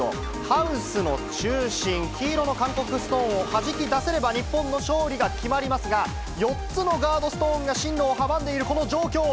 ハウスの中心、黄色の韓国ストーンをはじき出せれば日本の勝利が決まりますが、４つのガードストーンが進路を阻んでいるこの状況。